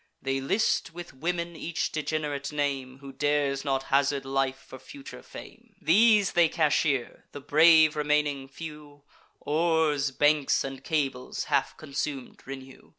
They list with women each degenerate name, Who dares not hazard life for future fame. These they cashier: the brave remaining few, Oars, banks, and cables, half consum'd, renew.